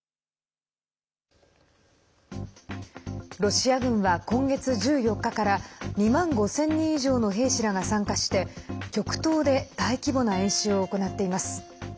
ロシア軍は今月１４日から２万５０００人以上の兵士らが参加して極東で大規模な演習を行っています。